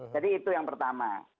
jadi itu yang pertama